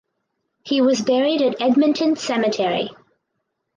He was buried at Edmonton Cemetery.